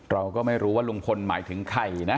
เราก็ไม่รู้ว่าลุงพลหมายถึงใครนะ